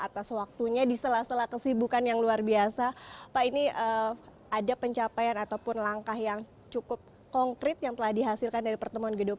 atas waktunya di sela sela kesibukan yang luar biasa pak ini ada pencapaian ataupun langkah yang cukup konkret yang telah dihasilkan dari pertemuan g dua puluh